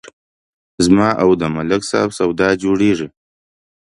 زما او د ملک صاحب سودا جوړېږي